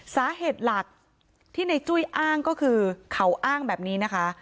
สาเหตุหลักที่ในจุ้ยอ้างก็คือเขาอ้างแบบนี้นะคะ